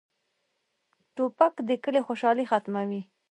توپک د کلي خوشالي ختموي.